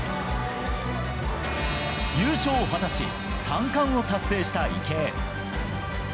優勝を果たし、３冠を達成した池江。